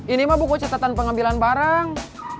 ini mah buku catatan pengambilan barang